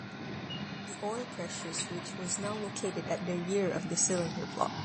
The oil pressure switch was now located at the rear of the cylinder block.